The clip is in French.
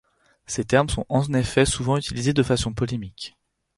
Ces termes sont en effet souvent utilisés de façon polémique.